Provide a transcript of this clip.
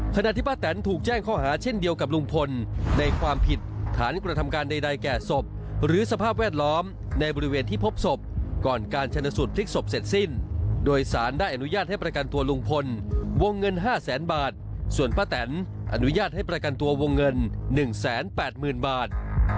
ขณะที่ป้าแตนถูกแจ้งข้อหาเช่นเดียวกับลุงพลในความผิดฐานกระทำการใดแก่ศพหรือสภาพแวดล้อมในบริเวณที่พบศพก่อนการชนสูตรพลิกศพเสร็จสิ้นโดยสารได้อนุญาตให้ประกันตัวลุงพลวงเงิน๕แสนบาทส่วนป้าแตนอนุญาตให้ประกันตัววงเงิน๑๘๐๐๐บาท